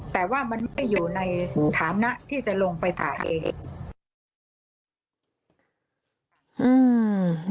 แต่ว่ามันไม่อยู่ในฐานะที่จะลงไปถ่ายเอง